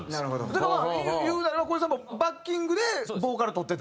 だからまあいうなれば小出さんもバッキングでボーカルとってた？